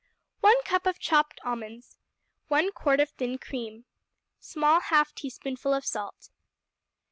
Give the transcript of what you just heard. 1 cup of chopped almonds. 1 quart of thin cream. Small half teaspoonful of salt.